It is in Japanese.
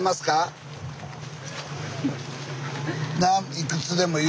いくつでもいい。